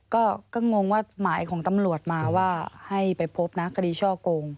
ก็งงว่าหมายของตำรวจมาว่าให้ไปพบนะคดีช่อโกง